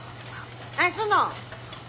何すんの？